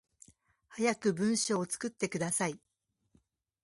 早く文章作ってください